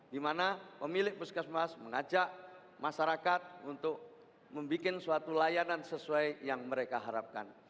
di mana pemilik puskesmas mengajak masyarakat untuk membuat suatu layanan sesuai yang mereka harapkan